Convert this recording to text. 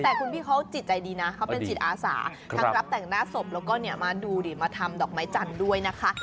แต่คุณพี่เขาจิตใจดีนะเขาเป็นจิตอาสาทั้งรับแต่งหน้าศพแล้วก็มาดูดิมาทำดอกไม้จันทร์ด้วยนะคะ